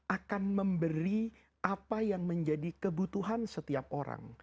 akan memberi apa yang menjadi kebutuhan setiap orang